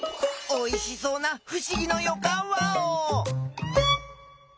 おいしそうなふしぎのよかんワオ！